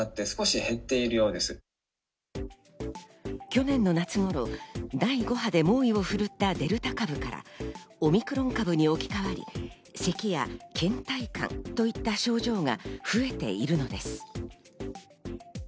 去年の夏頃、第５波で猛威を振るったデルタ株から、オミクロン株に置き換わり、咳や倦怠感といった症状が増えているのです。